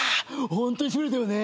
ホントにしびれたよね。